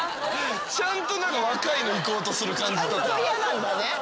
ちゃんと若いのいこうとする感じとか。